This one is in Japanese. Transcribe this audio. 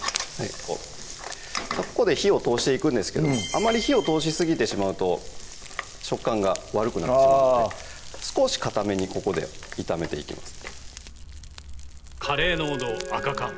ここで火を通していくんですけどあまり火を通しすぎてしまうと食感が悪くなってしまうので少しかためにここで炒めていきます